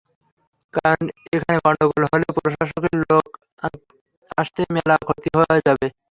কারণ, এখানে গন্ডগোল হলে প্রশাসনের নোক আসতে আসতেই ম্যালা ক্ষতি হয়া যাবে।